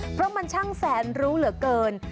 เพราะมันช่างแสนรู้เหลือเกิน